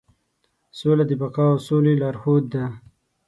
سوله د بقا او سولې لارښود ده.